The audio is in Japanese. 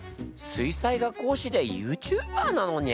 水彩画講師でユーチューバーなのにゃ？